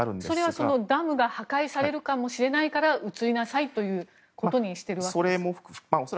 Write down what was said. それはダムが破壊されるかもしれないから移りなさいということにしているわけですか？